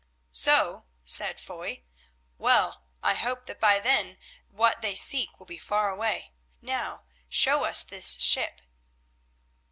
"So," said Foy, "well, I hope that by then what they seek will be far away. Now show us this ship."